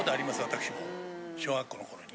私も小学校の頃に。